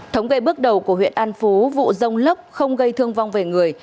thống gây bước đầu của huyện an phú vụ dông lốc không gây thương vong về người